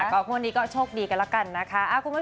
ก็งวดนี้ก็โชคดีกันแล้วกันนะคะ